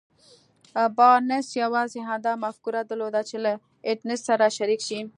بارنس يوازې همدا مفکوره درلوده چې له ايډېسن سره شريک شي.